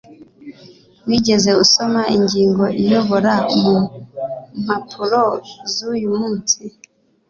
wigeze usoma ingingo iyobora mu mpapuro zuyu munsi